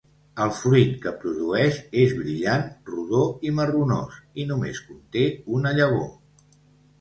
El fruit que produeix és brillant, rodó i marronós, i només conté una llavor.